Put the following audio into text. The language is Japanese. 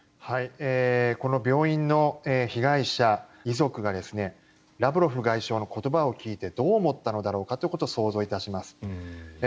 この病院の被害者遺族がラブロフ外相の言葉を聞いてどう思ったのだろうかということを想像いたします。